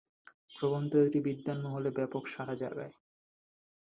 প্রবন্ধটি বিদ্বান মহলে ব্যাপক সাড়া জাগায়।